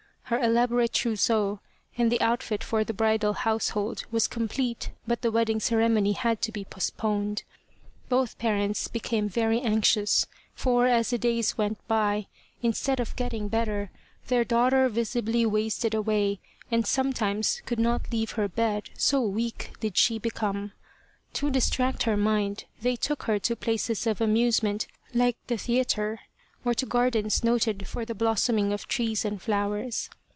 Her elaborate trousseau and the outfit for the bridal household was complete but the wedding ceremony had to be postponed. Both parents became very anxious for, as the days went by, instead of getting better their daughter visibly wasted away and sometimes could not leave her bed, so weak did she become. To distract her mind they took her to places of amusement like the theatre, or to gardens noted for the blossoming of trees and flowers.